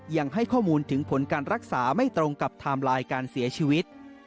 ยังให้ข้อมูลถึงผลการรักษาไม่ตรงกับไทม์ไลน์การเสียชีวิต